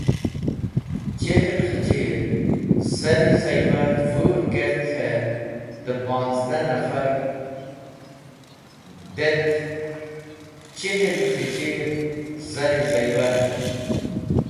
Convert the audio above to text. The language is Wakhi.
Chihl khichir zari ziwar vũr kert et dah ponzdah nafar det chihl khichir zari ziwar n.